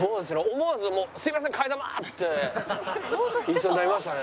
思わずもう「すいません替え玉！」って言いそうになりましたね。